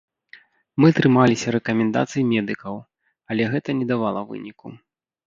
Мы трымаліся рэкамендацый медыкаў, але гэта не давала выніку.